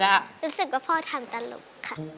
รู้สึกว่าพ่อทำตลกค่ะ